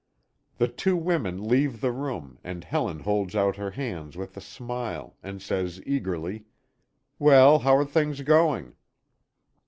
The two women leave the room, and Helen holds out her hand with a smile, and says eagerly: "Well, how are things going?"